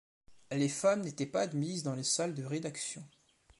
Les femmes n'étaient pas admises dans les salles de rédaction.